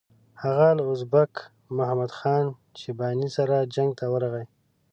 هغه له ازبک محمد خان شیباني سره جنګ ته ورغی.